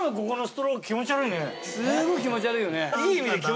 すごい気持ち悪いよね。